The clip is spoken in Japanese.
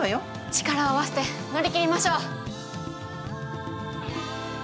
力を合わせて乗り切りましょう！